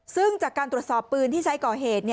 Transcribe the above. ซึ่งจากการตรวจสอบปืนที่ใช้ก่อเหตุ